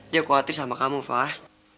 dia khawatir sama kamu fah